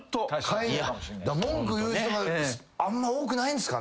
文句言う人があんま多くないんですかね？